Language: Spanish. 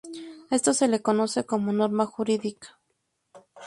A esto se le conoce como norma jurídica.